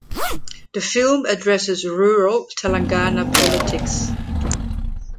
The film addresses rural Telangana politics.